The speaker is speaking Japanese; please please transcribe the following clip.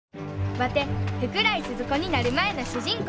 ワテ福来スズ子になる前の主人公